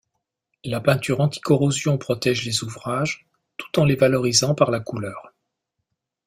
La peinture anticorrosion protège les ouvrages tout en les valorisant par la couleur.